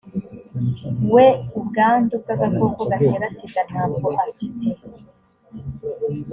we ubwandu bw’agakoko gatera sida ntabwo afite